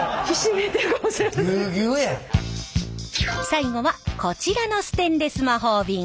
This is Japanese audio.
最後はこちらのステンレス魔法瓶。